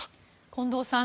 近藤さん